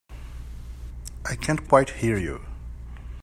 I can't quite hear you.